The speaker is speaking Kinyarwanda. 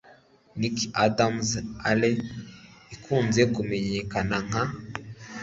Niki Adams Ale Ikunze Kumenyekana Nka?